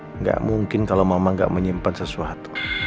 tidak mungkin kalau mama gak menyimpan sesuatu